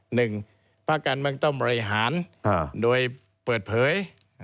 หนึ่งภาคการเมืองต้องบริหารโดยเปิดเผย